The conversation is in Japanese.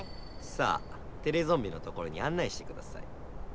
さあテレゾンビのところにあん内してください。